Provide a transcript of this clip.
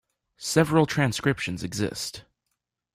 Several transcriptions exist.